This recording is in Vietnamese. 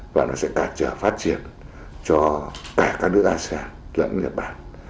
và nó sẽ cả trở phát triển cho cả các nước asean lẫn nhật bản